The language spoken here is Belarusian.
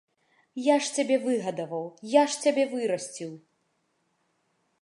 Я ж цябе выгадаваў, я ж цябе вырасціў.